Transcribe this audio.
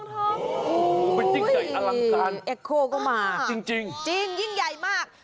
โอ้โหเป็นจริงจัยอลังการเอ็กโค้ก็มาจริงจริงจริงยิ่งใหญ่มาก